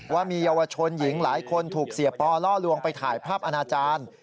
ว่ามีเยาวชนหญิงหลายคนถูกเสียปอล่อลวงไปถ่ายภาพอนาจารย์